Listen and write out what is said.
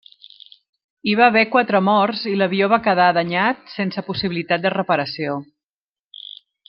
Hi va haver quatre morts, i l'avió va quedar danyat sense possibilitat de reparació.